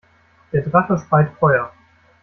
Der Drache speit Feuer.